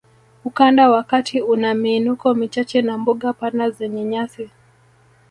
Ukanda wa kati una miinuko michache na mbuga pana zenye nyasi